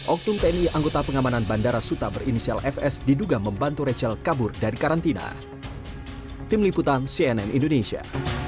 oktun tni anggota pengamanan bandara suta berinisial fs diduga membantu rachel kabur dari karantina